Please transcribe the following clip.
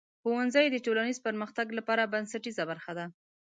ښوونځی د ټولنیز پرمختګ لپاره بنسټیزه برخه ده.